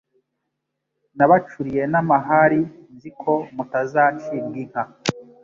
Nabacuriye n'amahari, Nzi ko mutazacibwa inka